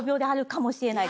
かもしれない